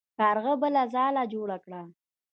کارغه بله ځاله جوړه کړه.